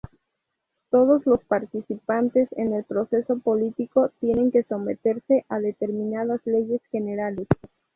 Todos los participantes en el proceso político tienen que someterse a determinadas leyes generales.